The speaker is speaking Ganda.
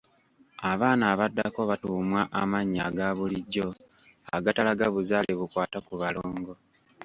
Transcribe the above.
Abaana abaddako batuumwa amannya aga bulijjo agatalaga buzaale bukwata ku balongo.